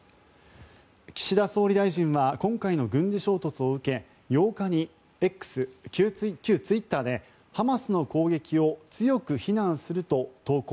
岸田総理大臣は今回の軍事衝突を受け８日にＸ、旧ツイッターでハマスの攻撃を強く非難すると投稿。